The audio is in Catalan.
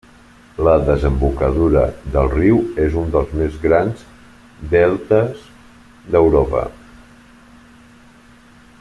La desembocadura del riu és un dels més grans deltes d'Europa.